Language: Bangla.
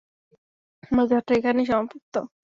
আমার যাত্রা এখানেই সমাপ্ত।